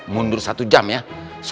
gue russian bukan deixa sayo